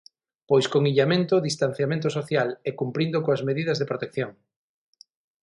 Pois con illamento, distanciamento social e cumprindo coas medidas de protección.